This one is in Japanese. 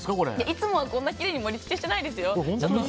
いつもはこんなにきれいにしてないですよ。